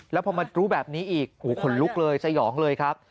แล้วพอมารู้แบบนี้อีกหูขนลุกเลยสยองเลยครับ